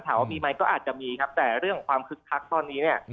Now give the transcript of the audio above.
ถามว่ามีมันก็อาจจะมีครับแต่เรื่องความคึกภักษ์ตอนนี้